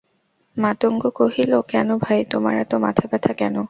মাতঙ্গ কহিল, কেন ভাই, তোমার এত মাথাব্যথা কেন?